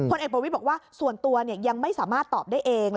เอกประวิทย์บอกว่าส่วนตัวยังไม่สามารถตอบได้เอง